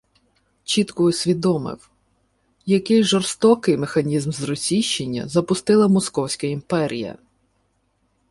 Чітко усвідомив, який жорстокий механізм зросійщення запустила Московська імперія